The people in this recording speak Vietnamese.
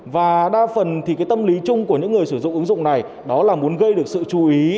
và đa phần thì cái tâm lý chung của những người sử dụng ứng dụng này đó là muốn gây được sự chú ý